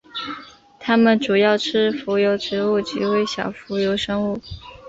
它们主要吃浮游植物及微小浮游生物。